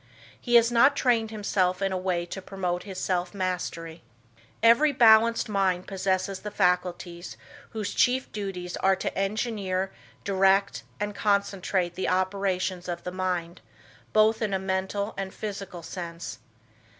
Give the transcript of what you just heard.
He has not trained himself in a way to promote his self mastery. Every balanced mind possesses the faculties whose chief duties are to engineer, direct and concentrate the operations of the mind, both in a mental and physical sense.